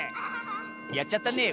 やっちゃったねえ